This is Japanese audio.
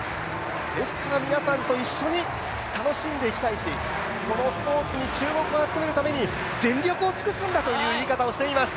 ですから皆さんと一緒に楽しんでいきたいしこのスポーツに注目を集めるために全力を尽くすんだという言い方をしています。